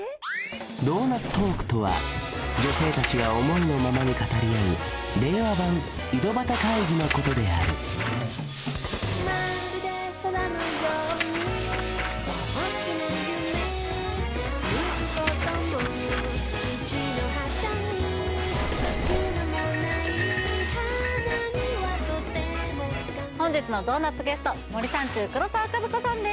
ドーナツトークとは女性達が思いのままに語り合う令和版井戸端会議のことである本日のドーナツゲスト森三中黒沢かずこさんです